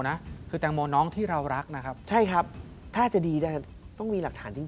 แล้วทำไมไม่ดีกัน